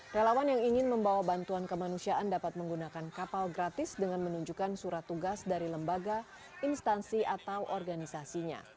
relawan yang ingin membawa bantuan kemanusiaan dapat menggunakan kapal gratis dengan menunjukkan surat tugas dari lembaga instansi atau organisasinya